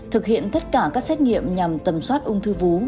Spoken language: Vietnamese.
thực hiện tất cả các xét nghiệm nhằm tầm soát ung thư vú